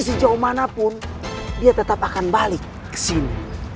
pergi sejauh manapun dia tetap akan balik kesini